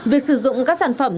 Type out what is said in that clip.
việc sử dụng các sản phẩm